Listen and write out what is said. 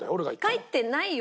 機械ってないよ。